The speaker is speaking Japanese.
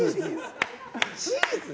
チーズ！？